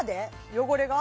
汚れが？